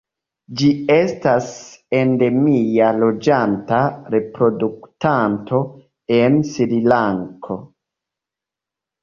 Ĝi estas endemia loĝanta reproduktanto en Srilanko.